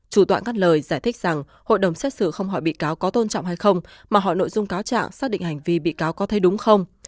chủ tọa cắt lời giải thích rằng hội đồng xét xử không hỏi bị cáo có tôn trọng hay không mà hỏi nội dung cáo trạng xác định hành vi bị cáo có thấy đúng không